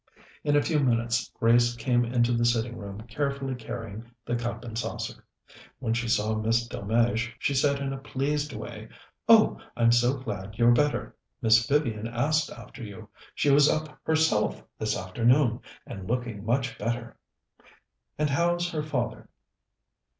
In a few minutes Grace came into the sitting room carefully carrying the cup and saucer. When she saw Miss Delmege she said in a pleased way: "Oh, I'm so glad you're better. Miss Vivian asked after you. She was up herself this afternoon, and looking much better." "And how's her father?"